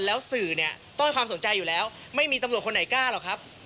แล้วสื่อเนี่ยต้องให้ความสนใจอยู่แล้วไม่มีตำรวจคนไหนกล้าหรอกครับ